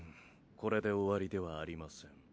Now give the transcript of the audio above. これで終わりではありません。